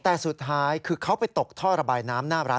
แต่สุดท้ายคือเขาไปตกท่อระบายน้ำ